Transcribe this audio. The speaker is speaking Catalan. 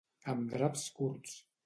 Amb draps curts.